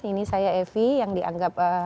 ini saya evi yang dianggap